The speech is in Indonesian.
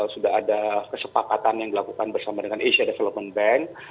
sudah ada kesepakatan yang dilakukan bersama dengan asia development bank